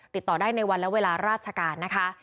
ติดต่อได้ในวันและเวลาราชการนะคะ